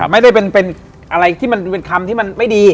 ไม่ได้เป็นอะไรที่มันเป็นคำที่มันไม่ดี